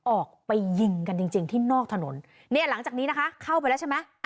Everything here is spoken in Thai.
ออกไปยิงกันจริงจริงที่นอกถนนเนี่ยหลังจากนี้นะคะเข้าไปแล้วใช่ไหม